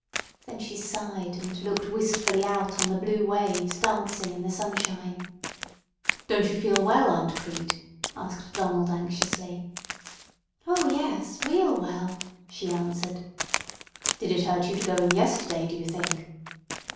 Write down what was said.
Then she sighed, and looked wistfully out on the blue waves dancing in the sunshine. "Don't you feel well, Aunt Crete?" asked Donald anxiously. "O, yes, real well," she answered. "Did it hurt you to go in yesterday, do you think?"